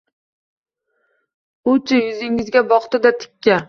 U-chi, yuzingizga boqdi-da tikka